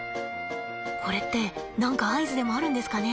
これって何か合図でもあるんですかね？